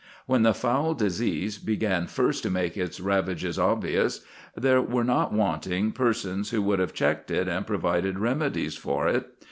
When the foul disease began first to make its ravages obvious, there were not wanting persons who would have checked it and provided remedies for it.